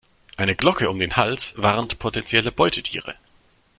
Eine Glocke um den Hals warnt potenzielle Beutetiere.